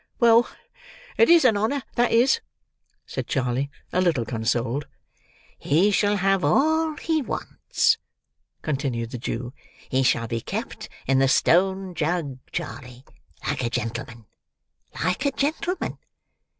"Well, it is a honour that is!" said Charley, a little consoled. "He shall have all he wants," continued the Jew. "He shall be kept in the Stone Jug, Charley, like a gentleman. Like a gentleman!